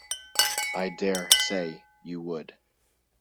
I dare say you would!